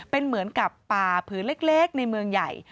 เป็นเหมือนกับป่าผืนเล็กในเมืองใหญ่